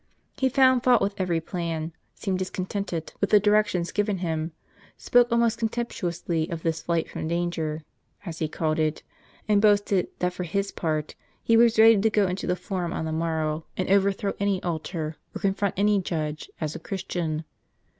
He found fault with every plan, seemed discontented with the directions given him, spoke almost con temptuously of this flight from danger, as he called it ; and boasted that, for his part, he was ready to go into the Forum on the morrow, and overthrow any altar, or confront any judge, as a Christian.